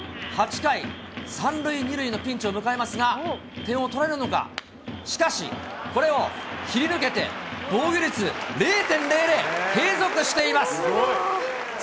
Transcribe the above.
８回、３塁２塁のピンチを迎えますが、点を取られるのか、しかし、これを切り抜けて、防御率０．００、継続しています。